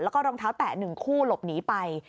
แล้วก็รองเท้าแตะ๑คู่หลบหนีไป